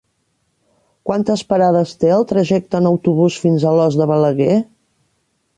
Quantes parades té el trajecte en autobús fins a Alòs de Balaguer?